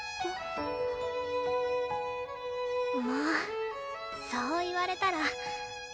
もうそう言われたら。